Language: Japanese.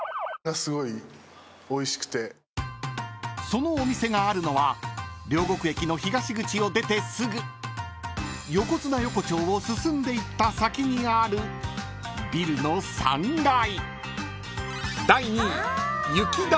［そのお店があるのは両国駅の東口を出てすぐ横綱横丁を進んでいった先にあるビルの３階］